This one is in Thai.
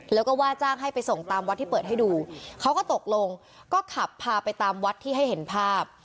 แล้วก็ว่าจ้างให้ไปส่งตามวัดที่เปิดให้ดูเขาก็ตกลงก็ขับพาไปตามวัดที่ให้เห็นภาพ